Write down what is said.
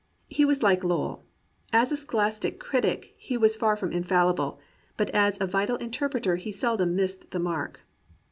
He was like Lowell: as a scholastic critic he was far from infalhble, but as a vital interpreter he seldom missed the mark.